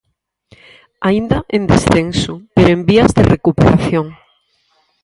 Aínda en descenso pero en vías de recuperación.